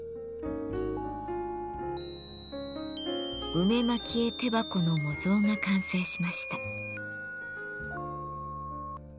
「梅蒔絵手箱」の模造が完成しました。